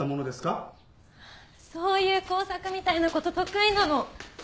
そういう工作みたいな事得意なの。